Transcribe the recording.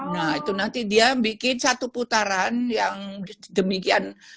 nah itu nanti dia bikin satu putaran yang demikian